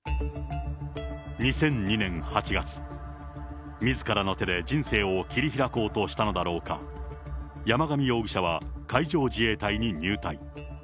２００２年８月、みずからの手で人生を切り開こうとしたのだろうか、山上容疑者は海上自衛隊に入隊。